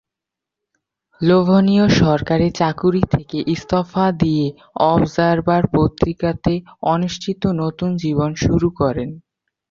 লোভনীয় সরকারী চাকুরী থেকে ইস্তফা দিয়ে অবজার্ভার পত্রিকাতে অনিশ্চিত নতুন জীবন শুরু করেন।